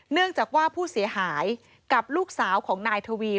เนื่องจากว่าผู้เสียหายกับลูกสาวของนายทวี